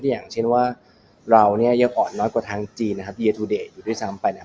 อย่างเช่นว่าเราเนี่ยยังอ่อนน้อยกว่าทางจีนนะครับเยทูเดชอยู่ด้วยซ้ำไปนะครับ